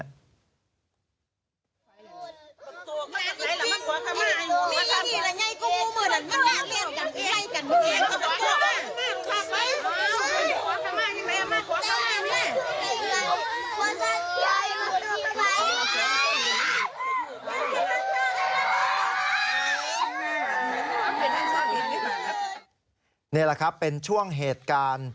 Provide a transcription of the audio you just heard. นี่แหละครับเป็นช่วงเหตุการณ์